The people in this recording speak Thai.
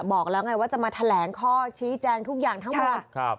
บอกแล้วไงว่าจะมาแถลงข้อชี้แจงทุกอย่างทั้งหมด